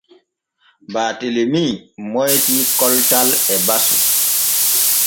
Baatelemi moytii koltal e basu.